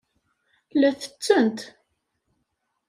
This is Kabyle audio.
La tettent.